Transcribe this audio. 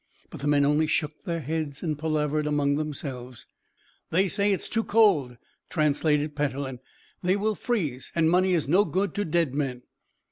But the men only shook their heads and palavered among themselves. "They say it's too cold," translated Petellin. "They will freeze, and money is no good to dead men."